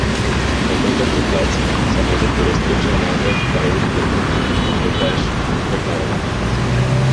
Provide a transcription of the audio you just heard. Pro tento kopec se mezi turisty vžil název "Karlův kopec" nebo též "Monte Carlo".